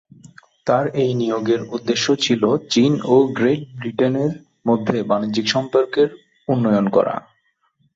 তার এই নিয়োগের উদ্দেশ্য ছিল চীন ও গ্রেট ব্রিটেনের মধ্যে বাণিজ্যিক সম্পর্কের উন্নয়ন করা।